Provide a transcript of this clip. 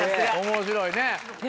面白いね。